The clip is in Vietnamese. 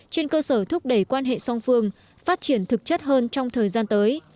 trên cơ sở thúc đẩy quan hệ song phương phát triển thực chất hơn trong thời gian tới